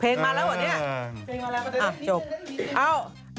เพลงมาแล้วประเด็นได้ดี